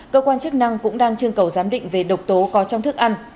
cơ quan chức năng cũng đang chương cầu giám định về độc tố có trong thức ăn